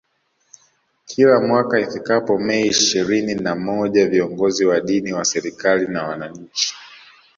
Kila mwaka ifikapo Mei ishirinina moja viongozi wa dini wa serikali na wananchi